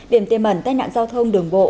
điểm tiềm ẩn tai nạn giao thông đường bộ